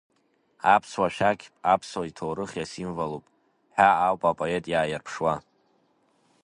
Аԥсуа шәақь, аԥсуа иҭоурых иасимволуп ҳәа ауп апоет иааирԥшуа.